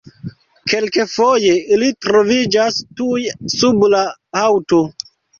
Kelkfoje ili troviĝas tuj sub la haŭto.